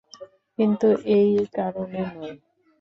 কিন্তু এই কারণে নয়।